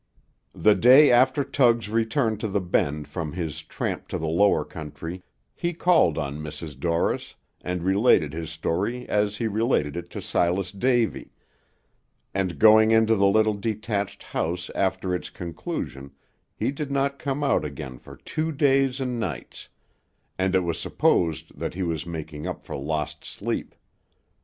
The day after Tug's return to the Bend from his tramp to the lower country, he called on Mrs. Dorris, and related his story as he related it to Silas Davy, and going into the little detached house after its conclusion, he did not come out again for two days and nights; and it was supposed that he was making up for lost sleep.